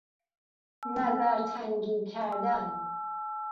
نظرتنگی کردن